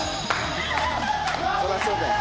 そりゃそうだよ。